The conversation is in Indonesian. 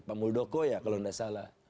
pak muldoko ya kalau tidak salah